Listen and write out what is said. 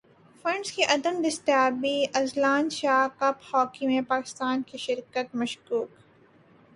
funds کی عدم دستیابی اذلان شاہ کپ ہاکی میں پاکستان کی شرکت مشکوک